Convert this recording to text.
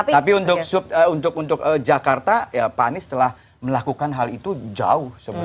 tapi untuk jakarta pak anies telah melakukan hal itu jauh sebelumnya